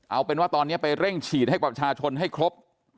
เอาเป็นว่าตอนนี้ไปเร่งฉีดให้ปรับชาชนให้ครบทั้งหมด